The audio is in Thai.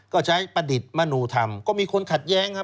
ก็ใช้ประดิษฐ์มนุธรรมก็มีคนขัดแย้งฮะ